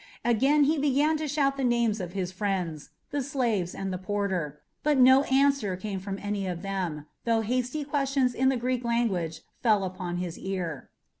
Again he began to shout the names of his friends, the slaves, and the porter; but no answer came from any of them, though hasty questions in the Greek language fell upon his ear.